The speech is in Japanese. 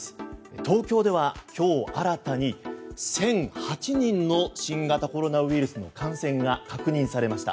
東京では今日新たに１００８人の新型コロナウイルスの感染が確認されました。